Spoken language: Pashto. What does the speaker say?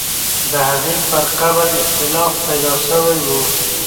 د هغې پر قبر اختلاف پیدا سوی وو.